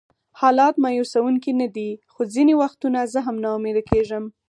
حالات مایوسونکي نه دي، خو ځینې وختونه زه هم ناامیده کېږم.